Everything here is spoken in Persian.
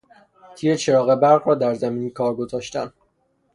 تیر چراغ برق را در زمین کار گذاشتن